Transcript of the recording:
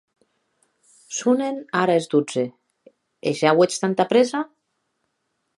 Sonen ara es dotze, e ja auetz tanta prèssa?